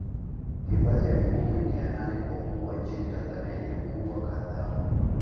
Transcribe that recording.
Hifadhi ya Mikumi ni ya nne kwa ukubwa nchini Tanzania yenye ukubwa kadhaa